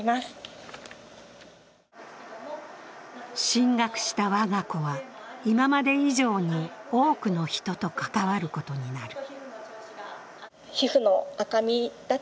進学した我が子は今まで以上に多くの人と関わることになる。